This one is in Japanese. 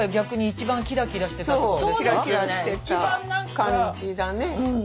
そうキラキラしてた感じだね。